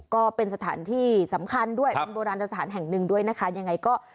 ก็เป็นสถานที่สำคัญด้วยเป็นโบราณสถานแห่งหนึ่งด้วยนะคะยังไงก็